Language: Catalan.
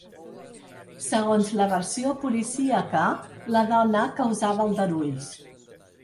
Segons la versió policíaca, la dona causava aldarulls.